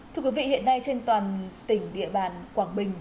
thưa quý vị hiện nay trên toàn tỉnh địa bàn quảng bình